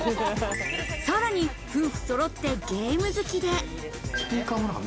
さらに夫婦そろってゲーム好きで。